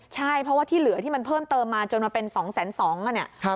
ใช่เพราะว่าที่เหลือที่มันเพิ่มเติมมาจนมาเป็น๒๒๐๐เนี่ย